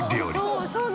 「そう。